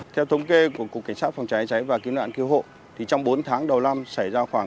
theo thống kê của cục cảnh sát phòng cháy cháy và cứu nạn cứu hộ thì trong bốn tháng đầu năm xảy ra khoảng